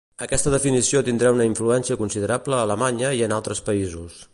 Aquesta definició tindrà una influència considerable a Alemanya i en altres països.